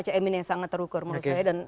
c imin yang sangat terukur menurut saya dan